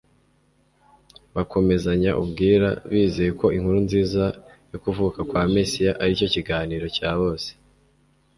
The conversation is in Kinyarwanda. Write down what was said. Bakomezanya ubwira, bizeye ko inkuru nziza yo kuvuka kwa Mesiya ari cyo kiganiro cya bose.